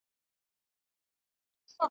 ټول به دي هېر وي او ما به غواړې .